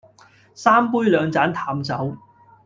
三杯兩盞淡酒，